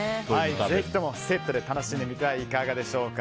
ぜひともセットで楽しんでみてはいかがでしょうか。